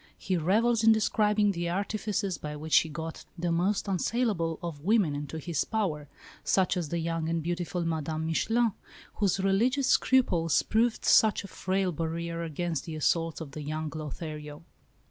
He revels in describing the artifices by which he got the most unassailable of women into his power such as the young and beautiful Madame Michelin, whose religious scruples proved such a frail barrier against the assaults of the young Lothario.